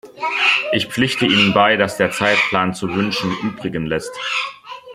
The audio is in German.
Ich pflichte Ihnen bei, dass der Zeitplan zu wünschen übrigen lässt.